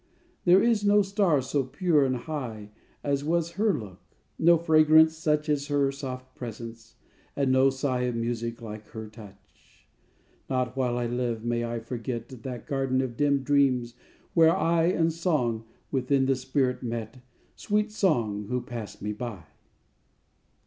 _ _There is no star so pure and high As was her look; no fragrance such As her soft presence; and no sigh Of music like her touch._ _Not while I live may I forget That garden of dim dreams, where I And Song within the spirit met, Sweet Song, who passed me by.